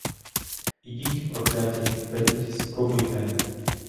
Ідіть, прокляті, беріть, спробуйте!